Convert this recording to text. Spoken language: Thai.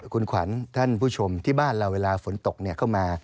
คุณขวัญท่านผู้ชมที่บ้านเราเวลาฝนตกเข้ามา